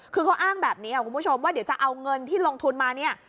คือเขาอ้างแบบนี้คุณผู้ชมว่าเดี๋ยวจะเอาเงินที่ลงทุนมาเนี่ย